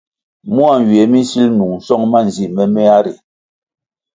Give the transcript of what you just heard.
Mua nywie mi nsil nung song manzi momea ri.